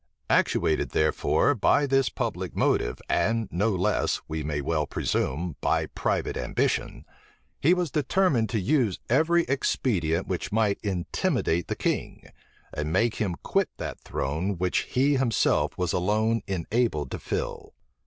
Actuated, therefore, by this public motive, and no less, we may well presume, by private ambition, he was determined to use every expedient which might intimidate the king, and make him quit that throne which he himself was alone enabled to fill.